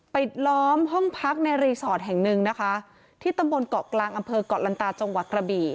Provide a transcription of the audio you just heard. ปิดล้อมห้องพักในรีสอร์ทแห่งหนึ่งนะคะที่ตำบลเกาะกลางอำเภอกเกาะลันตาจังหวัดกระบี่